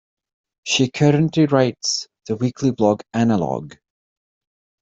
She currently writes the weekly blog 'Annalog'.